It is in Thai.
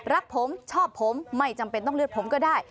รักผมชอบผมไม่จำเป็นต้องเลือกผมก็ได้